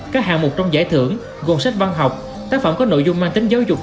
các hạng mục trong giải thưởng gồm sách văn học tác phẩm có nội dung mang tính giáo dục